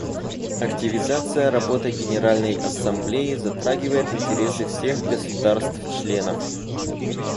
Активизация работы Генеральной Ассамблеи затрагивает интересы всех государств-членов.